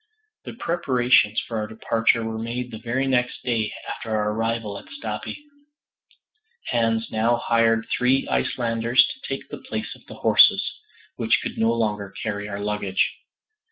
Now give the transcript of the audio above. The preparations for our departure were made the very next day after our arrival at Stapi; Hans now hired three Icelanders to take the place of the horses which could no longer carry our luggage.